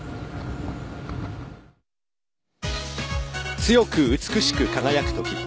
「強く、美しく、輝くとき。」